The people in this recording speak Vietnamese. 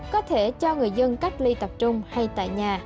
có thể cho người dân cách ly tập trung hay tại nhà